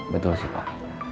betul sih pak